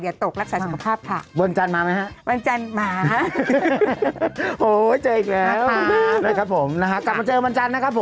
นะครับกลับมาเจอมันจันทร์นะครับ